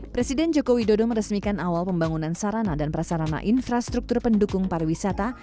presiden joko widodo meresmikan awal pembangunan sarana dan prasarana infrastruktur pendukung pariwisata